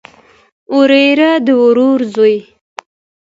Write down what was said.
وراره د ورور زوی